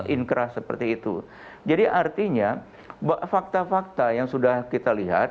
inkrah seperti itu jadi artinya fakta fakta yang sudah kita lihat